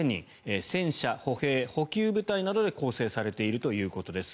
戦車、歩兵、補給部隊などで構成されているということです。